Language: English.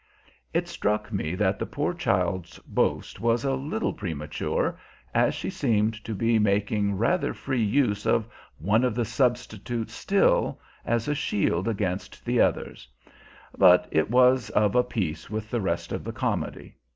It struck me that the poor child's boast was a little premature, as she seemed to be making rather free use of one of the substitutes still, as a shield against the others; but it was of a piece with the rest of the comedy.